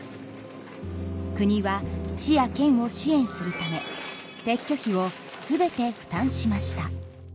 国は市や県を支援するため撤去費を全て負担しました。